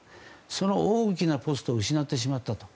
その大きなポストを失ってしまったと。